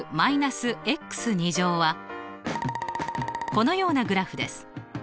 このようなグラフです。